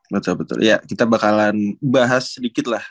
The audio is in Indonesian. betul betul ya kita bakalan bahas sedikit lah